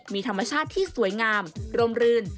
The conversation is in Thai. มีธรรมชาติที่สวยงามรมรื่น